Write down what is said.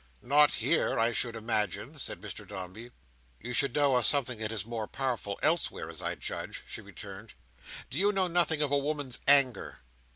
"Not here, I should imagine," said Mr Dombey. "You should know of something that is more powerful elsewhere, as I judge," she returned. "Do you know nothing of a woman's anger?"